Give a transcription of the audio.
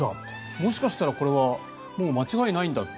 もしかしたら、これは間違いないんだって。